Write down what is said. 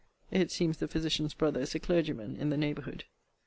It seems the physician's brother is a clergyman in the neighbourhood.